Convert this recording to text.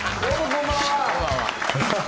こんばんは。